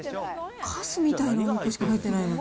かすみたいなお肉しか入ってないの。